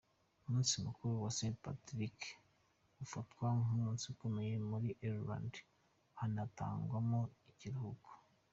Umunsi mukuru wa Saint Patrick ,ufatwa nk’umunsi ukomeye muri Ireland hanatangwaho ikiruhuko.